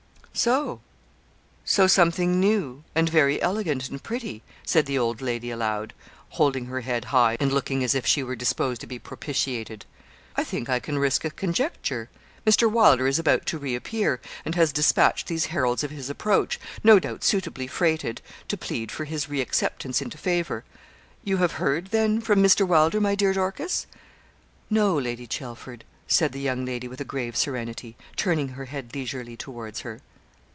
'So, so, something new, and very elegant and pretty,' said the old lady aloud, holding her head high, and looking as if she were disposed to be propitiated. 'I think I can risk a conjecture. Mr. Wylder is about to reappear, and has despatched these heralds of his approach, no doubt suitably freighted, to plead for his reacceptance into favour. You have heard, then, from Mr. Wylder, my dear Dorcas?' 'No, Lady Chelford,' said the young lady with a grave serenity, turning her head leisurely towards her.